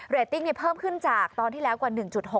ติ้งเพิ่มขึ้นจากตอนที่แล้วกว่า๑๖